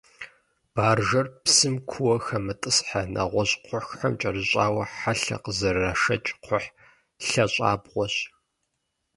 Баржэр, псым куууэ хэмытӏысхьэ, нэгъуэщӏ кхъухьым кӏэрыщӏауэ, хьэлъэ къызэрырашэкӏ кхъухь лъащӏабгъуэщ.